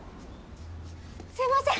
すみません！